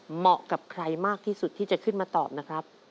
เหมาะกับใครมากที่สุดที่จะขึ้นมาตอบนะครับ